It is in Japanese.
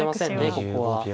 ここは。